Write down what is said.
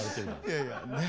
いやいやねっ。